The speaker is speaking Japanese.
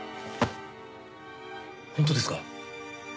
本当ですか？